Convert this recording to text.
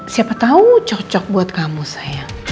siapa tahu cocok buat kamu sayang